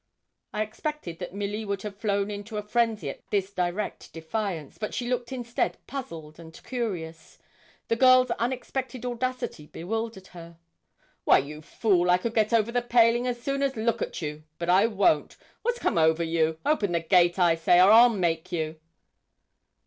_' I expected that Milly would have flown into a frenzy at this direct defiance, but she looked instead puzzled and curious the girl's unexpected audacity bewildered her. 'Why, you fool, I could get over the paling as soon as look at you, but I won't. What's come over you? Open the gate, I say, or I'll make you.'